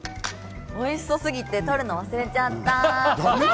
おいしそうすぎて、撮るの忘れちゃった。